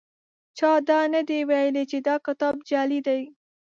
چا دا نه دي ویلي چې دا کتاب جعلي دی.